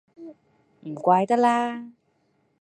唔怪得啦